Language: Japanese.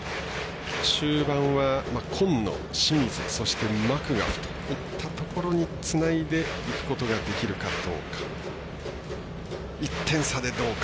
終盤は今野、清水そしてマクガフといったところにつないでいくことができるかどうか。